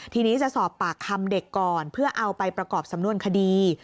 ทีนี้จะสอบปากคำเด็กก่อนเพื่อเอาไปประกอบสำนวนคดี